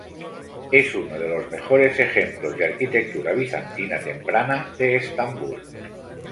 Es uno de los mejores ejemplos de arquitectura bizantina temprana de Estambul.